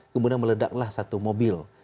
kemudian meledaklah satu mobil